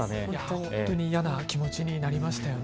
本当に嫌な気持ちになりましたよね。